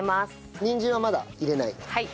にんじんはまだ入れない？